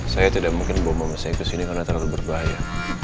saya tidak mungkin membawa mama saya ke sini karena terlalu berbahaya